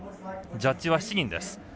ジャッジは７人です。